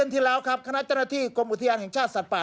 ที่แล้วครับคณะเจ้าหน้าที่กรมอุทยานแห่งชาติสัตว์ป่า